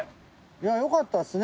いやよかったっすね。